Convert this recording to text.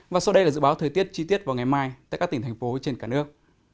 và sau đây là dự báo thời tiết chi tiết vào ngày mai tại các tỉnh thành phố trên cả nước